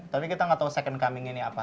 tapi kita gak tau second coming ini apa